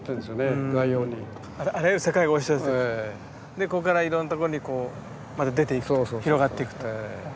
でここからいろんなとこにこうまた出ていくと広がっていくと。